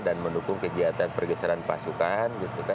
dan mendukung kegiatan pergeseran pasukan